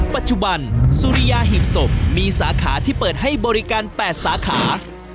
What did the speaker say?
ปัจจุบันสุริยาหีบศพมีสาขาที่เปิดให้บริการ๘สาขา